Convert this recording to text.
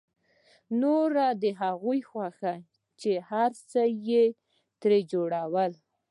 نوره د هغوی خوښه وه چې هر څه یې ترې جوړول